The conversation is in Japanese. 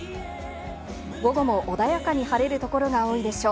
午後も穏やかに晴れる所が多いでしょう。